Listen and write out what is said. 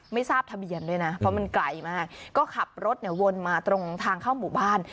ไม่ทราบทะเบียนด้วยนะเพราะมันไกลมากก็ขับรถเนี่ยวนมาตรงทางเข้าหมู่บ้าน